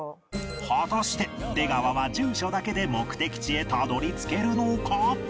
果たして出川は住所だけで目的地へたどり着けるのか？